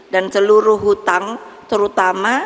dan seluruh hutang terutama